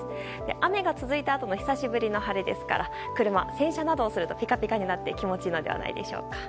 雨が続いたあとの久しぶりの晴れですから洗車などするとピカピカになって気持ちいいのではないでしょうか。